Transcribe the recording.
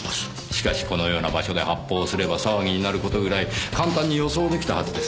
しかしこのような場所で発砲をすれば騒ぎになる事ぐらい簡単に予想出来たはずですがねぇ。